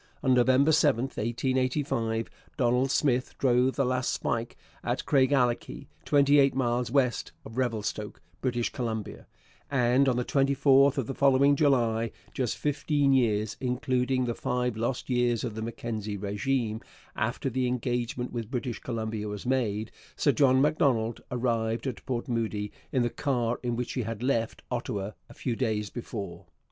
On November 7, 1885, Donald Smith drove the last spike at Craigellachie, twenty eight miles west of Revelstoke, British Columbia; and on the 24th of the following July, just fifteen years (including the five lost years of the Mackenzie régime) after the engagement with British Columbia was made, Sir John Macdonald arrived at Port Moody in the car in which he had left Ottawa a few days before.